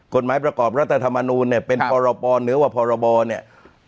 กฎหมายประกอบรัฐธรรมนูลเนี่ยเป็นพรปหรือว่าพรบเนี่ย